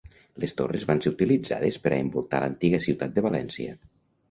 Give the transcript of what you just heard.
Les torres van ser utilitzades per a envoltar l'antiga ciutat de València.